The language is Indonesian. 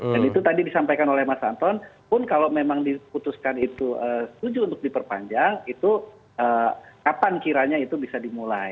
dan itu tadi disampaikan oleh mas anton pun kalau memang diputuskan itu setuju untuk diperpanjang itu kapan kiranya itu bisa dimulai